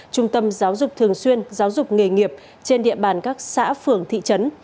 trung tâm giáo dục thường xuyên giáo dục nghề nghiệp trên địa bàn các xã phường thị trấn